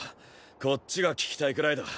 こっちが聞きたいくらいだ。